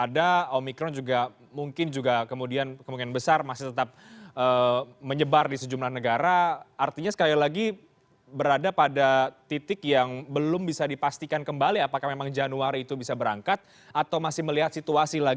dari beberapa negara yang kami ketemu dan kita bertanya tanya